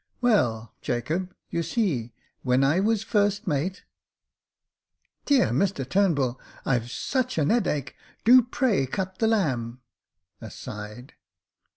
— Well, Jacob, you see, when I was first mate " "Dear! Mr Turnbull — I've such an 'eadache. Do, pray, cut the lamb. {Aside).